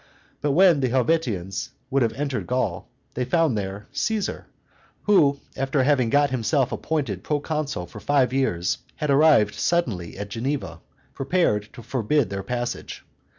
But when the Helvetians would have entered Gaul, they found there Caesar, who, after having got himself appointed proconsul for five years, had arrived suddenly at Geneva, prepared to forbid their passage.